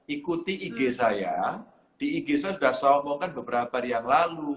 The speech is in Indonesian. ikuti ig saya di ig saya sudah saya omongkan beberapa hari yang lalu